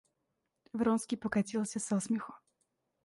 Вронский покатился со смеху.